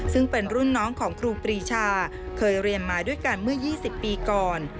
ซึ่งเป็นรุ่นน้องของครูปรีชาเคยเรียนมาด้วยกันเมื่อ๒๐ปีก่อน